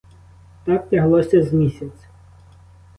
Так тяглося з місяць.